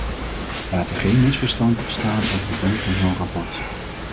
Laat er geen misverstand bestaan over het doel van zo'n rapport.